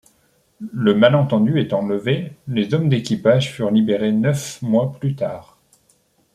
Le malentendu étant levé, les hommes d'équipage furent libérés neuf mois plus tard.